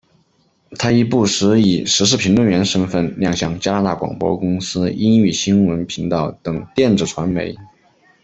她亦不时以时事评论员身份亮相加拿大广播公司英语新闻频道等电子传媒。